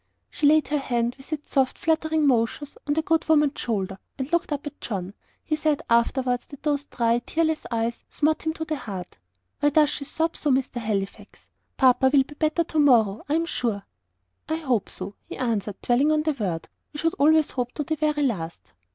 She laid her hand, with its soft, fluttering motions, on the good woman's shoulder, and looked up at John. He said afterwards that those dry, tearless eyes smote him to the heart. "Why does she sob so, Mr Halifax? Papa will be better tomorrow, I am sure." "I HOPE so," he answered, dwelling on the word; "we should always hope to the very last."